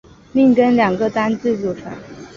命根两个单字组成。